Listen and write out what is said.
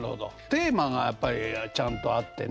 テーマがやっぱりちゃんとあってね